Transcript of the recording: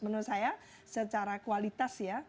menurut saya secara kualitas ya